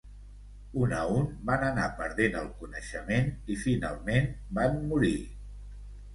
Un a un van anar perdent el coneixement i finalment van morir.